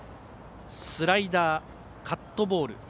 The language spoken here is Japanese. スライダー、カットボール